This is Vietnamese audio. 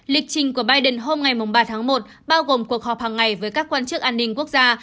lịch trình của biden hôm ngày ba tháng một bao gồm cuộc họp hàng ngày với các quan chức an ninh quốc gia